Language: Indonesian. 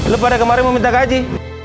lo pada kemarin mau minta kaji